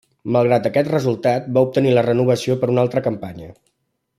Malgrat aquest resultat, va obtenir la renovació per una altra campanya.